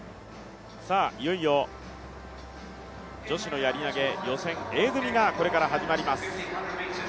いよいよ女子のやり投予選Ａ組がこれから始まります。